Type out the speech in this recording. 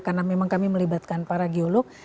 karena memang kami melibatkan para geolog